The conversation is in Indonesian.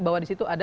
bahwa disitu ada